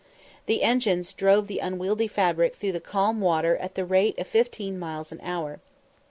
The engines drove the unwieldy fabric through the calm water at the rate of fifteen miles an hour.